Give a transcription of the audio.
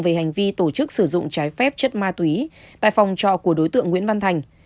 về hành vi tổ chức sử dụng trái phép chất ma túy tại phòng trọ của đối tượng nguyễn văn thành